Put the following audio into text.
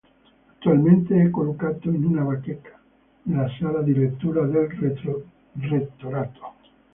Attualmente, è collocato in una bacheca nella sala di lettura del Rettorato.